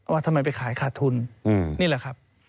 ว่าทำไมไปขายขาดทุนนี่แหละครับ